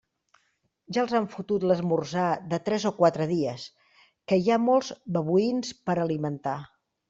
Ja els han fotut l'esmorzar de tres o quatre dies, que hi ha molts babuïns per alimentar.